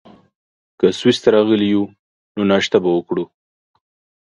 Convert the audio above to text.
که سویس ته راغلي یو، نو ناشته به وکړو.